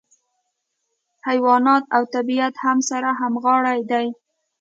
حیوانات او طبیعت هم سره همغاړي دي.